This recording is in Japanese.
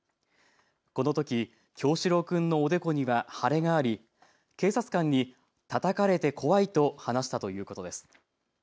このとき叶志郎君のおでこには腫れがあり、警察官にたたかれて怖いと話したということです。